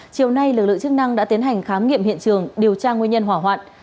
chiều nay lực lượng chức năng đã tiến hành khám nghiệm hiện trường điều tra nguyên nhân hỏa hoạn